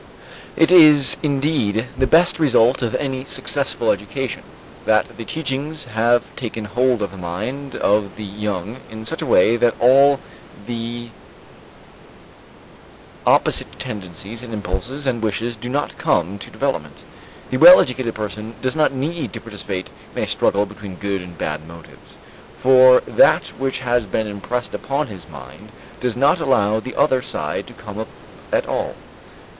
It is indeed the best result of any successful education, that the teachings have taken hold of the mind of the young in such a way that all the opposite tendencies and impulses and wishes do not come to development. The well educated person does not need to participate in a struggle between good and bad motives, for that which has been impressed upon his mind does not allow the other side to come up at all.